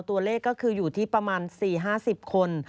ตัวเลขก็คืออยู่ที่ประมาณ๔๕๐คน